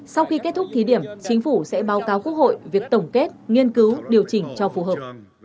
sau khi kết thúc thí điểm chính phủ sẽ báo cáo quốc hội việc tổng kết nghiên cứu điều chỉnh cho phù hợp